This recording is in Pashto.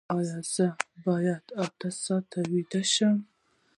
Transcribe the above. ایا زه باید اته ساعته ویده شم؟